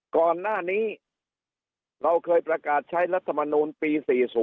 ก่อนหน้านี้เราเคยประกาศใช้รัฐมนูลปี๔๐